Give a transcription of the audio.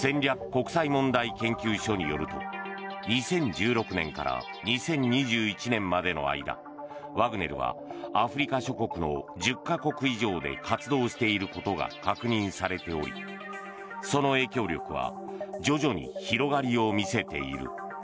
国際問題研究所によると２０１６年から２０２１年までの間ワグネルはアフリカ諸国の１０か国以上で活動していることが確認されておりその影響力は徐々に広がりを見せている。